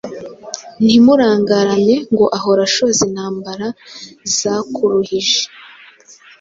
Ntumurangarane ngo ahora, Ashoza intambara zakuruhije